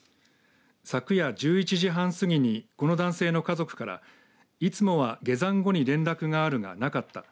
昨夜１１時半過ぎにこの男性の家族からいつもは下山後に連絡があるがなかった。